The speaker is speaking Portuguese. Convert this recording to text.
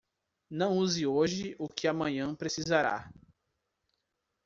Não use hoje o que o amanhã precisará.